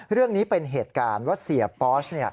เรื่องนี้เป็นเหตุการณ์ว่าเสียปอส